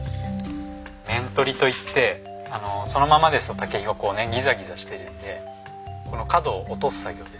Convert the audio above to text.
面取りといってそのままですと竹ひごこうギザギザしてるので角を落とす作業です。